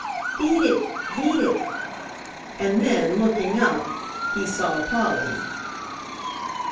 Beat it! Beat it!" and then, looking up, he saw Polly.